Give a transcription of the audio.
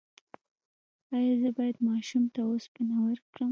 ایا زه باید ماشوم ته اوسپنه ورکړم؟